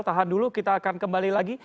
tahan dulu kita akan kembali lagi